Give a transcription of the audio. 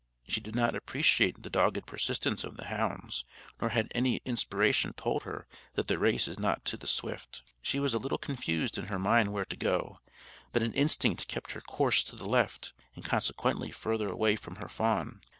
She did not appreciate the dogged persistence of the hounds, nor had any inspiration told her that the race is not to the swift. She was a little confused in her mind where to go; but an instinct kept her course to the left, and consequently further away from her fawn.